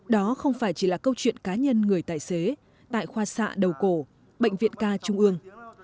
đó không phải chỉ là câu chuyện cá nhân người tài xế tại khoa xạ đầu cổ bệnh viện ca trung ương